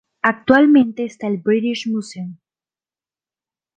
Actualmente está en el British Museum.